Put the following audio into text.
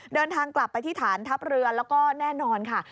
เดินทางกลับไปที่ฐานทัพเรือแล้วก็แน่นอนค่ะ